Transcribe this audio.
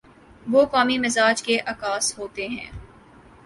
وہ قومی مزاج کے عکاس ہوتے ہیں۔